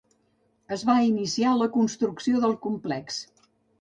Es va iniciar la construcció del complex.